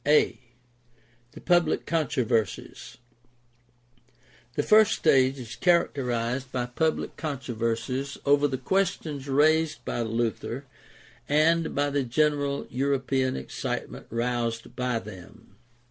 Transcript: a) The public controversies. — The first stage is characterized by public controversies over the questions raised by Luther and by the general European excitement roused by them.